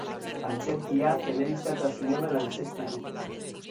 Antzerkia, telebista eta zineman antzeztu du.